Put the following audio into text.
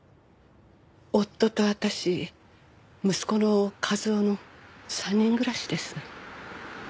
夫と私息子の一雄の３人暮らしです。